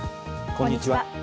こんにちは。